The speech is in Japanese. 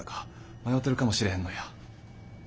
迷てるかもしれへんのや。